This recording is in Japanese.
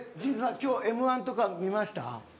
今日、Ｍ−１とか見ました？